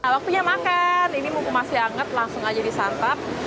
waktunya makan ini mumpung masih hangat langsung aja disantap